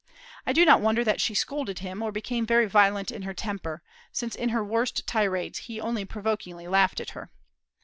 I do not wonder that she scolded him, or became very violent in her temper; since, in her worst tirades, he only provokingly laughed at her.